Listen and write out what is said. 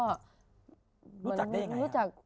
รู้จักได้ยังไง